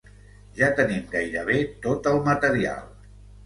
Ja tenim gairebé tot el material.